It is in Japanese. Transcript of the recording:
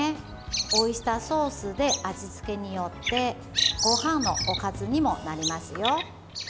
オイスターソースで味付けによってごはんのおかずにもなりますよ。